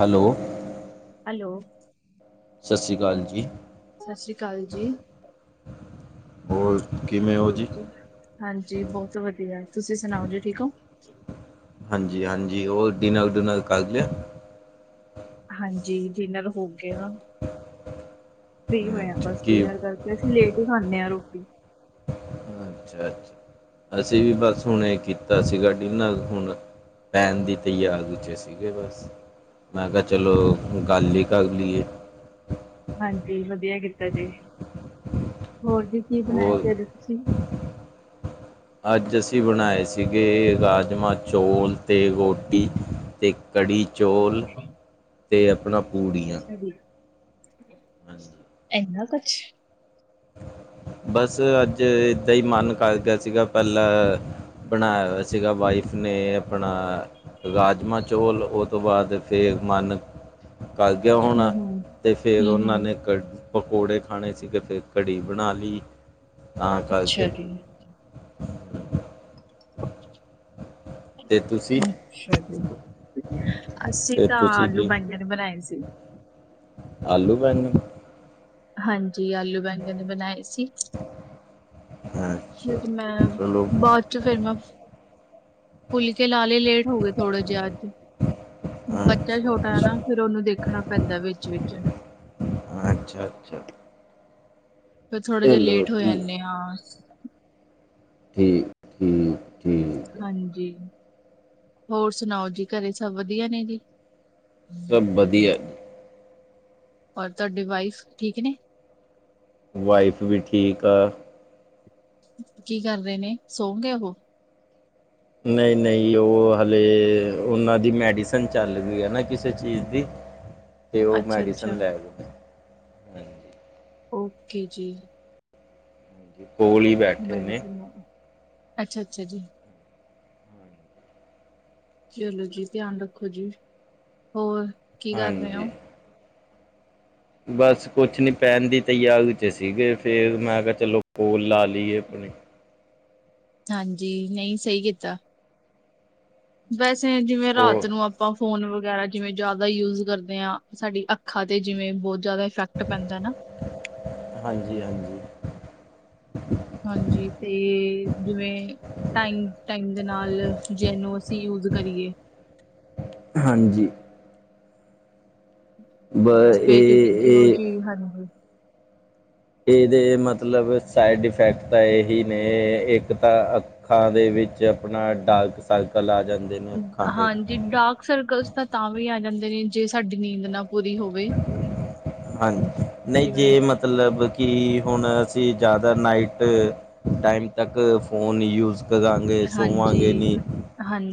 Hello hello ਸਤਿ ਸ਼੍ਰੀ ਅਕਾਲ ਜੀ ਸਤਿ ਸ੍ਰੀ ਅਕਾਲ ਜੀ ਹੋਰ ਕਿਵੇਂ ਹੋ ਜੀ? ਹਾਂਜੀ ਹਾਂਜੀ ਬਹੁਤ ਵਧੀਆ ਤੁਸੀਂ ਸੁਣਾਓ ਜੀ ਠੀਕ ਹੋ ਹਾਂਜੀ ਹਾਂਜੀ ਉਹ ਡਿਨਰ ਡੁਨਰ ਕਰ ਲਿਆ ਹਾਂਜੀ ਡਿਨਰ ਹੋ ਗਿਆ ਫਰੀ ਹੋਏਆ ਅੱਛਾ ਬਸ ਕੀ ਡਿਨਰ ਕਰਕੇ ਅਸੀਂ ਲੇਟ ਹੀ ਖਾਂਦੇ ਹਾਂ ਰੋਟੀ ਅੱਛਾ ਅੱਛਾ ਅਸੀਂ ਵੀ ਬਸ ਹੁਣੇ ਇਹ ਕੀਤਾ ਸੀ ਡਿਨਰ ਹੁਣ ਪੈਣ ਦੀ ਯਾਰ ਦੂਜੇ ਸੀਗੇ ਬਸ ਮੈਂ ਕਿਹਾ ਚਲੋ ਗੱਲ ਕਰ ਲਏ ਹਾਂਜੀ ਵਧੀਆ ਕੀਤਾ ਜੀ ਹੋਰ ਜੀ ਕੀ ਬਣਾਏ ਹੋਰ ਸੀ ਅੱਜ ਤੁਸੀਂ ਅੱਜ ਅਸੀਂ ਬਣਾਏ ਸੀਗੇ ਰਾਜਮ ਚੌਲ ਅਤੇ ਰੋਟੀ ਤੇ ਕੜੀ ਚੌਲ ਤੇ ਆਪਣਾ ਪੂੜੀਆਂ ਹਾਂਜੀ ਇਹਨਾ ਕੁਛ ਬਸ ਅੱਜ ਏਦਾਂ ਹੀ ਮਨ ਕਰ ਗਿਆ ਸੀਗਾ ਪਹਿਲਾਂ ਬਣਾਇਆ ਸੀਗਾ ਵਾਈਫ ਨੇ ਆਪਣਾ ਰਾਜਮਾ ਚੌਲ ਉਹ ਤੋਂ ਬਾਅਦ ਫਿਰ ਮਨ ਕਰ ਗਿਆ ਹੂੰ ਹੋਣਾ ਹੂੰ ਤੇ ਫਿਰ ਹੂੰ ਉਹਨਾਂ ਹੂੰ ਨੇ ਕ ਪਕੌੜੇ ਖਾਣੇ ਸੀਗੇ ਫਿਰ ਕੜੀ ਬਣਾ ਲਈ ਤਾਂ ਕਰਕੇ ਅੱਛਾ ਜੀ। [inaudible] ਤੇ ਤੁਸੀਂ ਅੱਛਾ ਜੀ ਅਸੀਂ ਤੇ ਤਾਂ ਤੁਸੀਂ ਆਲੂ ਕੀ ਬੈਂਗਨ ਨੇ ਬਣਾਏ ਸੀ। ਆਲੂ- ਬੈਂਗਨ ਹਾਂਜੀ, ਆਲੂ-ਬੈਂਗਣ ਨੇ ਬਣਾਏ ਸੀ। ਹਾ। ਫਿਰ ਮੈਂ ਬਾਅਦ ਚ ਫਿਰ ਮੈਂ ਫੁਲਕੇ ਲਾਲੇ ਲੇਟ ਹੋ ਗਏ ਥੋੜੇ ਜੇ ਅੱਜ। ਬੱਚਾ ਅੱਛਾ ਛੋਟਾ ਅੱਛਾ ਹੈਨਾ ਫੇਿਰ ਉਹਨੂੰ ਦੇਖਣਾ ਪੈਂਦਾ ਵਿੱਚ-ਵਿਚ ਅੱਛਾ-ਅੱਛਾ। ਫਿਰ ਥੋੜਾ ਜਿਹਾ ਲੇਟ ਹੋ ਠੀਕ ਜਾਂਦੇ ਹਾਂ। ਤੇ ਠੀਕ। ਠੀਕ ਹਾਂਜੀ, ਹੋਰ ਸੁਣਾਓ ਜੀ ਘਰੇ ਸਭ ਵਧੀਆ ਨੇ ਜੀ? ਸਭ ਵਧੀਆ। ਔਰ ਤੁਹਾਡਡੀ ਵਾਈਫ ਠੀਕ ਨੇ। ਵਾਈਫ ਵੀ ਠੀਕ ਆ। ਕੀ ਕਰ ਰਹੇ ਨੇ ਸੋ ਗਏ ਉਹ ਨਹੀਂ-ਨਹੀਂ, ਉਹ ਹਲੇੇ ਉਹਨਾਂ ਦੀ ਮੈਡੀਸਨ ਚੱਲ ਰਹੀ ਹੈ ਨਾ ਕਿਸੇ ਚੀਜ਼ ਦੀ। ਤੇ ਉਹ ਅੱਛਾ ਮੈਡੀਸਨ ਅੱਛਾ ਲੈਲੋ। ਓਕੇ ਜੀ। ਉਹ ਅਲੀ ਮੈਡੀਸਨ ਵਾਲੀ ਅੱਛਾ-ਅੱਛਾ ਜੀ। ਚਲੋ ਜੀ ਧਿਆਨ ਰੱਖੋ ਜੀ, ਹੋਰ ਕੀ ਕਰ ਰਹੇ ਹੋ? ਬੱਸ ਕੁੱਛ ਨੀ, ਪੈਣ ਦੀ ਤਿਆਰੀ ਚ ਸੀਗੇ ਫਿਰ ਮੈਂ ਕਿਹਾ ਚਲੋ ਕੋਲ ਲਾ ਲਈਏ ਆਪਣੀ ਹਾਂਜੀ, ਨਹੀਂ ਸਹੀ ਕੀਤਾ। ਵੈਸੇ ਜਿਵੇਂ ਉਹ ਰਾਤ ਨੂੰ ਆ ਆਪਾਂ ਫੋਨ ਵਗ਼ੈਰਾ ਜਿਵੇਂ ਜ਼ਿਆਦਾ ਯੂਜ ਕਰਦੇ ਹਾਂ, ਸਾਡੀ ਅੱਖਾਂ ਤੇ ਜਿਵੇਂ ਬਹੁੱਤ ਜ਼ਿਆਦਾ ਇਫੈਕਟ ਪੈਂਦਾ ਨਾ। ਹਾਂਜੀ- ਹਾਂਜੀ। ਹਾਂਜੀ, ਤੇ ਜਿਵੇਂ ਟਾਇਮ-ਟਾਇਮ ਦੇ ਨਾਲ ਜੇ ਇਸਨੂੰ ਅਸੀਂ ਯੂਜ਼ ਕਰੀਏ। ਹਾਂਜੀ। ਬ ਫਿਰ ਕਿਉਂਕਿ ਇਹ ਜਿਹੋ ਇਹ ਜੀ ਹਾਂਜੀ। ਇਹਦੇ ਮੱਤਲਬ ਸਾਈਡ ਇਫੈਕਟ ਤਾਂ ਇਹੀ ਨੇ ਇੱਕ ਇੱਕ ਤਾਂ ਅੱਖਾਂ ਦੇ ਵਿੱਚ ਆਪਣਾ ਡਾਰਕ ਸਰਕਲ ਆ ਜਾਂਦੇ ਨੇ ਅੱਖਾਂ ਤੇ ਹਾਂਜੀ, ਡਾਰਕ ਸਰਕਲਸ ਤਾਂ ਤਾਂਵੀ ਆ ਜਾਂਦੇ ਨੇ ਜੇ ਸਾਡੀ ਨੀਂਦ ਨਾ ਪੂਰੀ ਹੋਵੇ। ਹਾਂਜੀ, ਨਹੀਂ ਜੇ ਜਿਵੇਂ ਮੱਤਲਬ ਕਿ ਹੁਣ ਅਸੀਂ ਜ਼ਿਆਦਾ ਨਾਈਟ ਟਾਈਮ ਤੱਕ ਫੋਨ ਯੂਜ਼ ਕਰਾਂਗੇ ਹਾਂਜੀ ਸੋਵਾਂਗੇ ਨਹੀਂ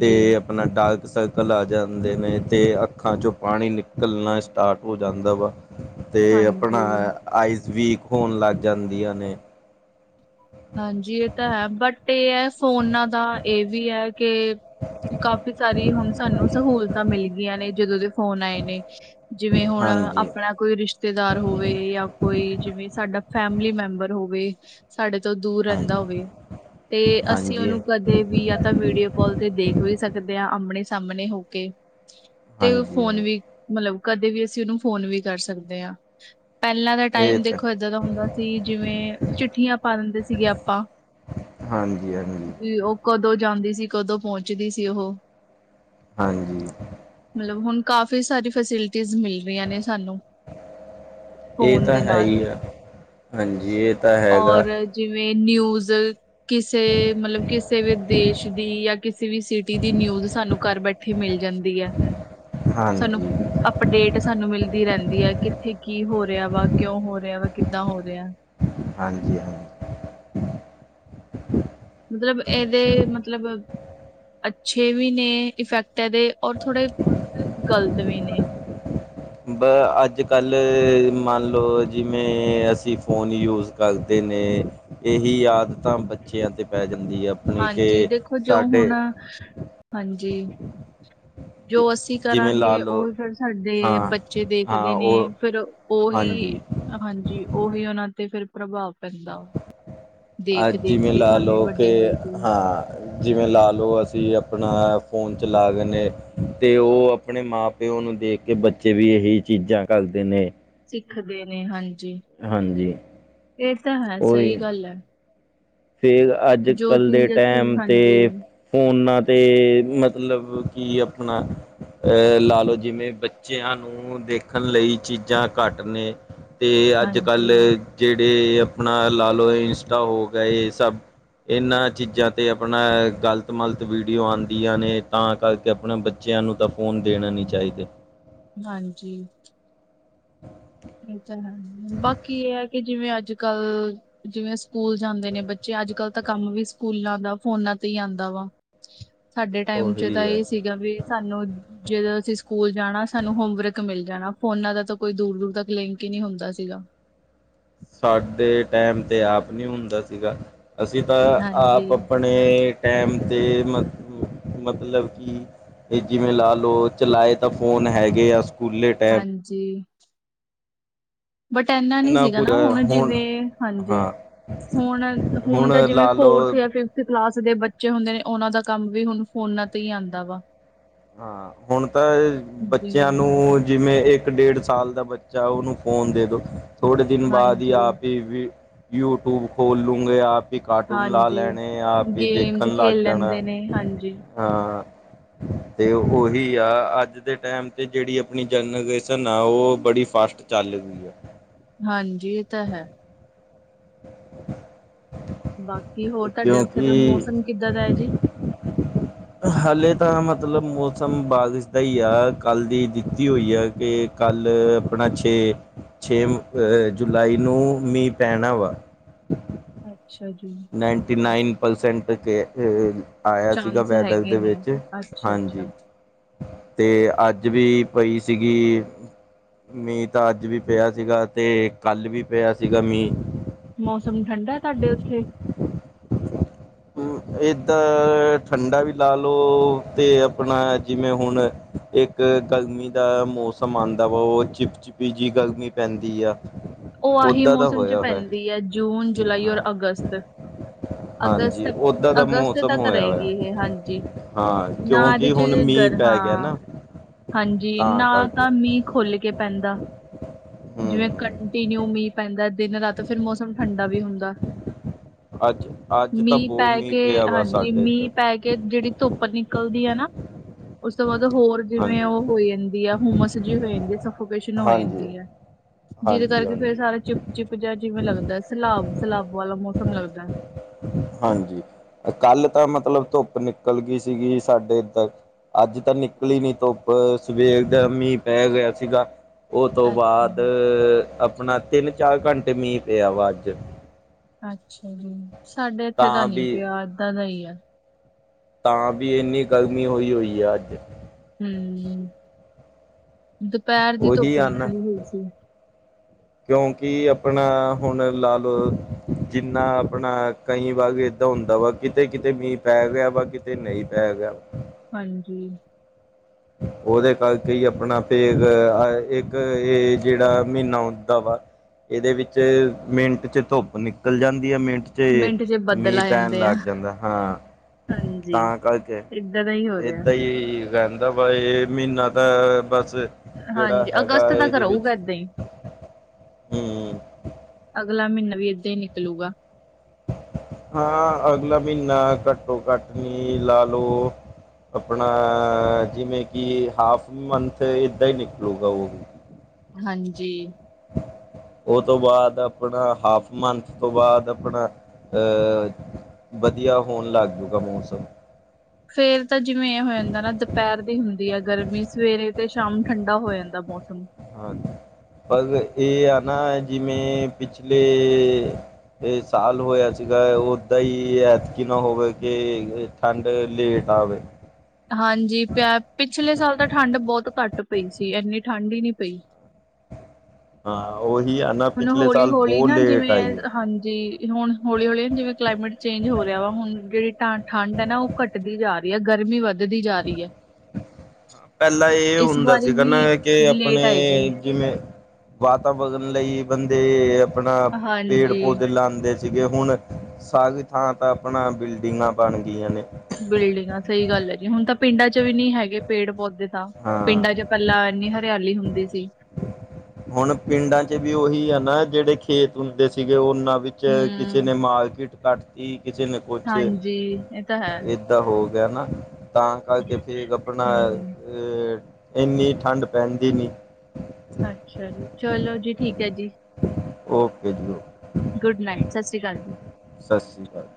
ਤੇ ਆਪਣਾ ਡਾਰਕ ਸਰਕਲ ਆ ਜਾਂਦੇ ਨੇ ਤੇ ਅੱਖਾਂ ਚੋਂ ਪਾਣੀ ਨਿਕਲਣਾ ਸਟਾੱਰਟ ਹੋ ਜਾਂਦਾ ਵਾ, ਤੇ ਆਪਣਾ ਹਾਂਜੀ ਆਈਜ਼ ਵੀਕ ਹੋਣ ਲੱਗ ਜਾਂਦੀਆਂ ਨੇ। ਹਾਂਜੀ, ਇਹ ਤਾਂ ਹੈ ਬੱਟ ਇਹ ਹੈ ਫੋਨਾਂ ਦਾ ਇਹ ਵੀ ਹੈ ਕੇ ਕਾਫ਼ੀ ਸਾਰੀ ਹੁਂਣ ਸਾਨੂੰ ਸਹੂਲਤ ਤਾਂ ਮਿਲ ਗਈਆਂ ਨੇ ਜਦੋਂ ਦੇ ਫੋਨ ਆਏ ਨੇ ਜਿਵੇਂ ਹੁਣ ਹਾਂਜੀ ਆਪਣਾ ਕੋਈ ਰਿਸ਼ਤੇਦਾਰ ਹੋਵੇ ਜਾਂ ਕੋਈ ਜਿਵੇਂ ਸਾਡਾ ਫੈਮਿਲੀ ਮੈਂਬਰ ਹੋਵੇ ਸਾਡੇ ਤੋਂ ਦੂਰ ਰਹਿੰਦਾ ਹਾਂਜੀ ਹੋਵੇ ਤੇ ਅਸੀਂ ਹਾਂਜੀ ਉਹਨੂੰ ਕਦੇ ਤੇ ਵੀ ਆ ਤਾਂ ਵੀਡੀਓ ਕਾਲ ਤੇ ਦੇਖ ਵੀ ਸਕਦੇ ਆ ਆਮਣੇ-ਸਾਹਮਣੇ ਹੋ ਕੇ। ਤੇ ਹਾਂਜੀ ਫੋਨ ਵੀ ਮੱਤਲਬ ਕਦੇ ਵੀ ਅਸੀਂ ਉਹਨੂੰ ਫੋਨ ਵੀ ਕਰ ਸਕਦੇ ਹਾਂ। ਪਹਿਲਾਂ ਦਾ ਇਹ ਟਾਈਮ ਤਾਂ ਦੇਖੋ ਏਦਾਂ ਦਾ ਹੁੰਦਾ ਸੀ ਜਿਵੇ ਚਿੱਠੀਆਂ ਪਾ ਦਿੰਦੇ ਸੀਗੇ ਆਪਾਂ ਹਾਂਜੀ ਹਾਂਜੀ ਜੀ ਉਹ ਕਦੋਂ ਜਾਂਦੀ ਸੀ ਕਦੋਂ ਪਹੁੰਚਦੀ ਸੀ ਉਹ? ਹਾਂਜੀ। ਮੱਤਲਬ ਹੁਣ ਕਾਫੀ ਸਾਰੀ ਫੈਸਿਲਿਟੀਜ਼ ਮਿਲ ਰਹੀਆਂ ਨੇ ਸਾਨੂੰ ਇਹ ਫੋਨ ਤਾਂ ਦੇ ਹੈ ਨਾਲ ਹੀ ਆ ਹਾਂਜੀ ਇਹ ਤਾਂ ਔਰ ਹੈਗਾ ਜਿਵੇਂ ਨਿਊਜ਼ ਕਿਸੇ ਮੱਤਲਬ ਕਿਸੇ ਵੀ ਦੇਸ਼ ਦੀ ਜਾਂ ਕਿਸੇ ਵੀ ਸਿਟੀ ਦੀ ਨਿਊਜ਼ ਸਾਨੂੰ ਘਰ ਬੈਠੇ ਮਿਲ ਜਾਂਦੀ ਹੈ ਸਾਨੂੰ ਹਾਂਜੀ ਅਪਡੇਟ ਸਾਨੂੰ ਮਿਲਦੀ ਰਹਿੰਦੀ ਆ ਕਿੱਥੇ ਕੀ ਹੋ ਰਿਹਾ ਵਾ ਕਿਉਂ ਹੋ ਰਿਹਾ ਵਾ ਕਿੱਦਾਂ ਹੋ ਰਿਹਾ ਹਾਂਜੀ-ਹਾਂਜੀ। ਮੱਤਲਬ ਇਹਦੇ ਮੱਤਲਬ ਅੱਛੇ ਵੀ ਨੇ ਇਫੈਕਟ ਇਹਦੇ ਔਰ ਥੋੜੇ ਗ਼ਲਤ ਵੀ ਨੇ ਬੱਸ ਅੱਜ ਕੱਲ੍ਹ ਮੰਨ ਲਓ ਜਿਵੇਂ ਅਸੀਂ ਫੋਨ ਯੂਜ ਕਰਦੇ ਨੇ ਇਹੀ ਆਦਤਾਂ ਬੱਚਿਆਂ ਦੇ ਪੈ ਜਾਂਦੀ ਹੈ ਆਪਣੀ ਕਿ ਹਾਂਜੀ ਦੇਖੋ ਜੋ ਹੁਣ ਸਾਡੇ ਹਾਂਜੀ ਜੋ ਜਿ ਅਸੀਂ ਜਿਵੇਂ ਲਾ ਕਰਾਂਗੇ ਲਓ ਉਹ ਫਿਰ ਸਾਡੇ ਹਾਂ ਬੱਚੇ ਹਾਂ ਦੇਖਦੇ ਨੇ ਉਹ ਫਿਰ ਉਹੀ ਹਾਂਜੀ ਹਾਂਜੀ ਉਹੀ ਉਹਨਾਂ ਤੇ ਫਿਰ ਪ੍ਰਭਾਵ ਪੈਂਦਾ ਵਾ ਆ ਦੇਖ ਦੇਖ ਜਿਵੇਂ ਕੇ ਲਾ ਸਾਨੂੰ ਵੀ ਲਓ ਕੀ ਵੱਡੇ ਹੋ ਕੇ ਉਹ ਹਾਂ ਜਿਵੇਂ ਲਾ ਲਓ ਅਸੀਂ ਆਪਣਾ ਫੋਨ ਚਲਾ ਦੇਂਦੇ ਤੇ ਉਹ ਆਪਣੇ ਮਾਂ ਪਿਓ ਨੂੰ ਦੇਖ ਕੇ ਬੱਚੇ ਵੀ ਇਹੀ ਚੀਜ਼ਾਂ ਕਰਦੇ ਨੇ ਸਿੱਖਦੇ ਨੇ ਹਾਂਜੀ ਹਾਂਜੀ ਇਹ ਤਾਂ ਹੈ ਸਹੀ ਗੱਲ ਹੈ ਫੇਰ ਅੱਜ ਜੋ ਕੱਲ੍ਹ ਦੇ ਚੀਜ਼ ਅਸੀਂ ਟਾਈਮ ਤੇ ਹਾਂਜੀ ਫੋਨਾਂ ਤੇ ਮਤਲਬ ਕੀ ਆਪਣਾ ਅਹ ਲਾ ਲਓ ਜਿਵੇਂ ਬੱਚਿਆਂ ਨੂੰ ਦੇਖਣ ਲਈ ਚੀਜ਼ਾਂ ਘੱਟ ਨੇ ਅਤੇ ਅੱਜ ਕੱਲ੍ਹ ਹਾਂਜੀ ਜਿਹੜੇ ਆਪਣਾ ਲਾ ਲਓ ਇੰਸਟਾ ਹੋ ਗਿਆ ਇਹ ਸਭ ਇਹਨਾਂ ਚੀਜ਼ਾਂ 'ਤੇ ਆਪਣਾ ਗਲਤ ਮਲਤ ਵੀਡੀਓ ਆਉਂਦੀਆਂ ਨੇ ਤਾਂ ਕਰਕੇ ਆਪਣਾ ਬੱਚ ਬੱਚਿਆਂ ਨੂੰ ਤਾਂ ਫੋਨ ਦੇਣਾ ਨਹੀਂ ਚਾਹੀਦੇ ਹਾਂਜੀ ਹ ਇਹ ਤਾਂ ਹੈ ਬਾਕੀ ਇਹ ਹੈ ਕਿ ਜਿਵੇਂ ਅੱਜ ਕੱਲ ਜਿਵੇਂ ਸਕੂਲ ਜਾਂਦੇ ਨੇ ਬੱਚੇ ਅੱਜ ਕੱਲ੍ਹ ਤਾਂ ਕੰਮ ਵੀ ਸਕੂਲਾਂ ਦਾ ਫੋਨਾਂ ਤੇ ਹੀ ਆਉਂਦਾ ਵਾ ਸਾਡੇ ਟਾਈਮ ਚ ਉਹੀ ਤਾਂ ਆ ਇਹ ਸੀਗਾ ਵੀ ਸਾਨੂੰ ਜਦੋਂ ਅਸੀਂ ਸਕੂਲ ਜਾਣਾ ਸਾਨੂੰ ਹੋਮਵਰਕ ਮਿਲ ਜਾਣਾ ਫੋਨਾ ਦਾ ਤਾਂ ਕੋਈ ਦੂਰ ਦੂਰ ਤ ਲਿੰਕ ਹੀ ਨਹੀਂੀ ਹੁੰਦਾ ਸੀਗਾ ਸਾਡੇ ਟੈਮ ਤੇ ਆਪ ਨਹੀਂੀ ਹੁੰਦਾ ਸੀਗਾ ਅਸੀਂ ਤਾਂ ਹਾਂਜੀ, ਆਪ ਆਪਣੇ ਆਪਣੇ ਟਾਈਮ 'ਤੇ ਮ ਮਤਲਬ ਕਿ ਜਿਵੇਂ ਲਾ ਲਓ ਚਲਾਏ ਤਾਂ ਫੋਨ ਹੈਗੇ ਆ ਸਕੂਲੇ ਟਾਈਮ ਹਾਂਜੀ ਬਟ ਇੰਨਾ ਨੀ ਸੀਗਾ ਨਾ ਹੁਣ ਜਿਵੇਂ ਹਾਂਜੀ ਹਾਂ ਹੁਣ ਹੁਣ ਤਾਂ ਜਿਵੇਂ ਲਾ ਲਓ ਫੋਰਥ ਜਾਂ ਫਿਰ ਕਲਾਸ ਦੇ ਬੱਚੇ ਹੁੰਦੇ ਨੇ ਉਹਨਾਂ ਦਾ ਕੰਮ ਵੀ ਹੁਣ ਫੋਨਾਂ ਤੇ ਹੀ ਆਉਂਦਾ ਵਾ ਹਾਂ ਹੁਣ ਤਾਂ ਜਿਵੇਂ ਬੱਚਿਆਂ ਹਾਂਜੀ, ਨੂੰ ਜਿਵੇਂ ਇੱਕ ਡੇਢ ਸਾਲ ਦਾ ਬੱਚਾ ਉਹਨੂੰ ਫੋਨ ਦੇ ਦਉ ਥੋੜੇ ਦਿਨ ਬਾਅਦ ਹੀ ਹਾਂਜੀ, ਆਪ ਹੀ ਵੀ ਯੂਟੀਊਬ ਖੋਲ ਲੂੰਗੇ ਆਪ ਵੀ ਕਾਰਟੂਨ ਲਾ ਹਾਂਜੀ ਲੈਣੇ ਆ ਫ ਗੇਮਸ ਦੇਖਣ ਲੱਗ ਖੇਲ ਜਾਣਾ ਲੈਂਦੇ ਨੇ ਹਾਂਜੀ, ਹਾਂ ਤੇ ਉਹੀ ਆ ਅੱਜ ਦੇ ਟਾਈਮ ਤੇ ਜਿਹੜੀ ਆਪਣੀ ਜਨ ਨਾ ਉਹ ਬੜੀ ਫਾਸਟ ਚਾਲ ਦੀ ਹੈ ਹਾਂਜੀ ਇਹ ਤਾਂ ਹੈ [inaudible] ਬਾਕੀ ਹੋਰ ਤੁਹਾਡੇ ਕਿਉਂਕਿ ਉੱਥੇ ਦਾ ਮੌਸਮ ਕਿੱਦਾਂ ਦਾ ਹੈ ਜੀ ਹਾਲੇ ਤਾਂ ਮਤਲਬ ਮੌਸਮ ਬਾਰਿਸ਼ ਦਾ ਹੀ ਆ ਕੱਲ ਦੀ ਦਿੱਤੀ ਹੋਈ ਆ ਕਿ ਕੱਲ੍ਹ ਆਪਣਾ ਛੇ ਛੇ ਜੁਲਾਈ ਨੂੰ ਮੀਂਹ ਪੈਣਾ ਵਾ ਅੱਛਾ ਜੀ ਨਾਈਨਟੀ ਨਾਈਨ ਪਰਸੈਂਟ ਕੇ ਆਇਆ ਸੀਗਾ ਚਾਂਸ ਵੈਦਰ ਹੈਗੇ ਦੇ ਨੇ ਵਿੱਚ ਅੱਛਾ-ਅੱਛਾ ਹਾਂਜੀ। ਤੇ ਅੱਜ ਵੀ ਪਈ ਸੀਗੀ। ਮੀਂਹ ਤਾਂ ਅੱਜ ਵੀ ਪਿਆ ਸੀਗਾ ਤੇ ਕੱਲ੍ਹ ਵੀ ਪਿਆ ਸੀਗਾ ਮੀਂਹ ਮੌਸਮ ਠੰਡਾ ਤੁਹਾਡੇ ਉੱਥੇ। ਏਦਰ ਠੰਡਾ ਵੀ ਲਾ ਲਓ ਤੇ ਆਪਣਾ ਜਿਵੇਂ ਹੁਣ ਇੱਕ ਇੱਕ ਗਰਮੀ ਦਾ ਮੌਸਮ ਆਂਦਾ ਵਾ ਓ ਚਿਪਚਿਪੀ ਜੀ ਗਰਮੀ ਪੈਂਦੀ ਆ। ਓ ਆਹੀ ਓਦਾਂ ਦਾ ਮੌਸਮ ਚ ਹੋਇਆ ਹੋਇਆ ਪੈਂਦੀ ਐ ਜੂਨ, ਜੁਲਾਈ, ਔਰ ਹਾਂ ਅਗਸਤ। ਅਗਸਤ। ਹਾਂਜੀ ਓਦਾਂ ਦਾ ਅਗਸਤ ਮੌਸਮ ਤੱਕ ਹੋਇਆ ਰਹੇਗੀ ਹੋਇਆ ਇਹ ਹਾਂਜੀ ਹਾਂ ਨਾ ਇਹਦੇ ਕਿਉਂਕਿ ਚ ਹੁਣ ਮੀਂਹ ਗਰ ਪੈ ਗਿਆ ਹਾਂ। ਨਾ ਹਾਂਜੀ, ਤਾਂ ਨਾ ਕਰਕੇ ਤਾਂ ਮੀਂਹ ਖੁੱਲ ਕੇ ਪੈਂਦਾ ਜਿਵੇਂ ਹੂੰ ਕੰਟੀਨਿਊ ਮੀਂਹ ਪੈਂਦਾ ਦਿਨ ਰਾਤ ਫਿਰ ਮੌਸਮ ਠੰਡਾ ਵੀ ਹੁੰਦਾ। ਅੱਜ ਅੱਜ ਤਾਂ ਮੀਂਹ ਬਹੁਤ ਪੈ ਕੇ ਪਿਆ ਵਾ ਹਾਂਜੀ ਸਾਡੇ ਇੱਧਰ ਮੀਂਹ ਪੈ ਕੇ ਜਿਹੜੀ ਧੁੱਪ ਧੁੱਪ ਨਿਕਲਦੀ ਆ ਨਾ ਉਸ ਤੋਂ ਬਾਅਦ ਹੋਰ ਜਿਵੇਂ ਹਾਂਜੀ ਓ ਹੋ ਜਾਂਦੀ ਆ ਹੁਮਸ ਜੀ ਹੋ ਜਾਂਦੀ ਆ ਸਫੋਕੇਸ਼ਨ ਹੋ ਹਾਂਜੀ ਜਾਂਦੀ ਆ। ਜਿਹਦੇ ਹਾਂਜੀ ਕਰਕੇ ਫੇਰ ਹਾਂਜੀ ਸਾਰਾ ਚਿਪ ਚਿਪ ਜਿਹਾ ਜਿਵੇਂ ਲੱਗਦਾ ਸੈਲਾਬ ਸਲਾਬ ਵਾਲਾ ਮੌਸਮ ਲੱਗਦਾ। ਹਾਂਜੀ, ਕੱਲ ਤਾਂ ਮਤਲਬ ਧੁੱਪ ਨਿਕਲ ਗਈ ਸੀਗੀ ਸਾਡੇ ਏਧਰ। ਅੱਜ ਤਾਂ ਨਿਕਲੀ ਨੀ ਧੁੱਪ ਸਵੇਰ ਦਾ ਮੀਂਹ ਪੈ ਰਿਹਾ ਸੀਗਾ। ਉਹ ਤੋਂ ਹੈ। ਅੱਛਾ ਬਾਅਦ ਜੀ। ਆਪਣਾ ਤਿੰਨ ਚਾਰ ਘੰਟੇ ਮੀਂਹ ਪਿਆ ਵਾ ਅੱਜ ਅੱਛਾ ਜੀ, ਸਾਡੇ ਇੱਥੇ ਤਾਂ ਨੀ ਪਿਆ ਏਦਾ ਦਾ ਈ ਆ। ਤਾਂ ਵੀ ਇੰਨੀ ਗਰਮੀ ਹੋਈ ਹੋਈ ਆ ਅੱਜ। ਹੂੰ, ਦੁਪਹਿਰ ਦੀ ਉਹੀ ਧੁੱਪ ਹਨ ਨਿਕਲੀ ਹੋਈ ਸੀ। ਕਿਉਂਕਿ ਆਪਣਾ ਹੁਣ ਲਾ ਲਓ। ਜਿੰਨਾ ਆਪਣਾ ਕਈ ਵਾਂਗ ਏਦਾਂ ਹੁੰਦਾ ਵਾ ਕਿਤੇ ਕਿਤੇ ਮੀਂਹ ਪੈ ਗਿਆ ਵਾ ਕਿਤੇ ਨਹੀਂ ਪੈ ਗਿਆ ਵਾ। ਹਾਂਜੀ, ਉਹਦੇ ਕਰਕੇ ਹੀ ਆਪਣਾ ਫੇਰ ਇੱਕ ਇਹ ਜਿਹੜਾ ਮਹੀਨਾ ਹੁੰਦਾ ਵਾ। ਇਹਦੇ ਵਿੱਚ ਮਿੰਟ 'ਚ ਧੁੱਪ ਨਿਕਲ ਜਾਂਦੀ ਆ ਮਿੰਟ ਚ ਤੇ ਮਿੰਟ ਚ ਬੱਦਲ ਮੀਂਹ ਆ ਪੈਣ ਜਾਂਦੇ ਆ ਲੱਗ ਜਾਂਦਾ ਹਾਂ। ਹਾਂਜੀ ਤਾਂ ਕਰਕੇ, ਏਦਾਂ ਦਾ ਹੀ ਹੋ ਰਿਹਾ। ਏਦਾਂ ਹੀ ਰਹਿੰਦਾ ਬਾ ਇਹ ਮਹੀਨਾ ਤਾਂ ਬਸ ਜਿਹੜਾ ਹਾਂਜੀ, ਅਗਸਤ ਹੈਗਾ ਤੱਕ ਇਹਦੇ ਰਹੂਗਾ ਵਿੱਚ ਏਦਾਂ ਹੀ, ਹੂੰ, ਅਗਲਾ ਮਹੀਨਾ ਵੀ ਏਦਾਂ ਹੀ ਨਿਕਲੂਗਾ। ਹਾਂ, ਅਗਲਾ ਮਹੀਨਾ ਘੱਟੋ ਘੱਟ ਮੀਂਹ ਲਾ ਲੋ। ਆਪਣਾ, ਜਿਵੇਂ ਕਿ ਹਾਫ ਮੰਥ ਇੱਦਾਂ ਹੀ ਨਿਕਲੂਗਾ ਉਹ ਵੀ ਹਾਂਜੀ। ਉਹ ਤੋਂ ਬਾਅਦ ਆਪਣਾ ਹਾਫ ਮੰਥ ਤੋਂ ਬਾਅਦ ਆਪਣਾ ਅਹ ਵਧੀਆ ਹੋਣ ਲੱਗ ਜੂਗਾ ਮੌਸਮ। ਫੇਰ ਤਾਂ ਜਿਵੇਂ ਇਹ ਹੋ ਜਾਂਦਾ ਨਾ ਦੁਪਹਿਰ ਦੀ ਹੁੰਦੀ ਆ ਗਰਮੀ ਸਵੇਰੇ ਤੇ ਸ਼ਾਮ ਨੂੰ ਠੰਡਾ ਹੋ ਜਾਂਦਾ ਹੈ ਮੌਸਮ ਬਸ ਇਹ ਆ ਨਾ ਜਿਵੇਂ ਪਿੱਛਲੇ ਇਹ ਸਾਲ ਹੋਇਆ ਸੀਗਾ ਓਦਾਂ ਹੀ ਐਤਕੀ ਨਾ ਹੋਵੇ ਕੇ ਠੰਡ ਲੇਟ ਆਵੇ ਹਾਂਜੀ ਪਿਆ ਪਿਛਲੇ ਸਾਲ ਤਾਂ ਠੰਡ ਬਹੁਤ ਘੱਟ ਪਈ ਸੀ ਇੰਨੀ ਠੰਢ ਹੀ ਨਹੀਂ ਪਈ। ਹਾਂ, ਉਹੀ ਆ ਨਾ ਹੁਣ ਪਿਛਲੇ ਹੌਲੀ ਸਾਲ ਹੌਲੀ ਬਹੁਤ ਨਾ ਜਿਵੇਂ ਲੇਟ ਆਈ ਹੈ ਹਾਂਜੀ, ਹੁਣ ਹੌਲੀ-ਹੌਲੀ ਜਿਵੇਂ ਕਲਾਈਮੇਟ ਚੇਂਜ ਹੋ ਰਿਹਾ ਵਾ ਹੁਣ ਜਿਹੜੀ ਠੰਢ ਹੈ ਨਾ ਉਹ ਘੱਟਦੀ ਜਾ ਰਹੀ, ਐ ਗਰਮੀ ਵਧ ਵਧਧੀ ਜਾ ਰਹੀ ਐ। ਪਹਿਲਾਂ ਇਹ ਹੁੰਦਾ ਸੀਗਾ ਨਾ ਕੇ ਅਪਣੇ ਲੇਟ ਆਏਗੀ ਜਿਵੇਂ ਵਾਤਾਵਰਨ ਲਈ ਬੰਦੇ ਆਪਣਾ, ਪੇੜ ਹਾਂਜੀ ਪੌਦੇ ਲਾਂਦੇ ਸੀ। ਹੁਣ ਸਾਰੀ ਥਾਂ ਤਾਂ ਆਪਣਾ ਬਿਲਡਿੰਗਾਂ ਬਣ ਗਈਆਂ ਨੇ, ਬਿਲਡਿੰਗਾਂ, ਸਹੀ ਗੱਲ ਹੈ ਜੀ ਹੁਣ ਤਾਂ ਪਿੰਡਾਂ ਚ ਵੀ ਨੀ ਹੈਗੇ ਪੇੜ ਪੌਦੇ ਤਾਂ ਹਾਂ ਪਿੰਡਾਂ ਚ' ਪਹਿਲਾਂ ਇੰਨੀ ਹਰਿਆਲੀ ਹੁੰਦੀ ਸੀ। ਹੁਣ ਪਿੰਡਾਂ ਚ ਵੀ ਉਹੀ ਆ ਨਾ ਜਿਹੜੇ ਖੇਤ ਹੁੰਦੇ ਸੀਗੇ ਉਹਨਾਂ ਵਿੱਚ ਕਿਸੇ ਹਮ ਨੇ ਮਾਰਕੀਟ ਕੱਟਤੀ ਕਿਸੇ ਨੇ ਕੁਛ ਹਾਂਜੀ ਇਹ ਤਾਂ ਹੈ ਕਿੱਦਾਂ ਹੋ ਗਿਆ ਨਾ ਤਾਂ ਕਰਕੇ ਫਿਰ ਆਪਣਾ ਹਮ ਇੰਨੀ ਠੰਡ ਪੈਂਦੀ ਨਹੀਂ, ਅੱਛਾ ਜੀ ਚਲੋ ਜੀ, ਠੀਕ ਹੈ ਜੀ। ਓਕੇ ਜੀ, ਓਕੇ! ਗੁਡ ਨਾਈਟ, 'ਸਤਿ ਸ਼੍ਰੀ ਅਕਾਲ'ਜੀ। ਸਤਿ ਸ੍ਰੀ ਅਕਾਲ